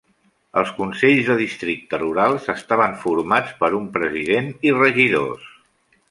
Els consells de districte rurals estaven formats per un president i regidors.